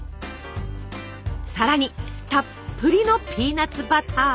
さらにたっぷりのピーナツバター。